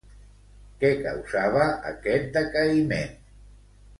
Què causava aquest decaïment?